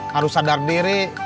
harus sadar diri